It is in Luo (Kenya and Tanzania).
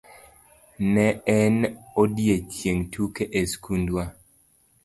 Ne en odiochieng' tuke e skundwa.